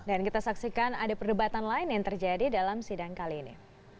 dan kita saksikan ada perdebatan lain yang terjadi dalam sidang kali ini